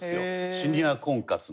シニア婚活の。